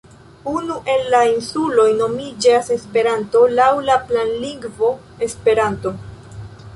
Unu el la insuloj nomiĝas Esperanto, laŭ la planlingvo Esperanto.